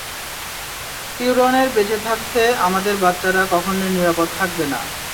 ফিওরনের বেঁচে থাকতে আমাদের বাচ্চারা কখনও নিরাপদ থাকবে না।